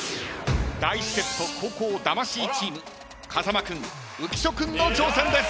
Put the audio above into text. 第１セット後攻魂チーム風間君浮所君の挑戦です。